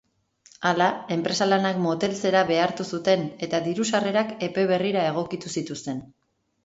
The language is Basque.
Hala, enpresa lanak moteltzera behartu zuten eta diru-sarrerak epe berrira egokitu zituzten.